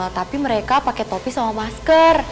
tapi mereka pakai topi sama masker